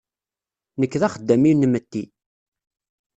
Nekk d axeddam inmetti.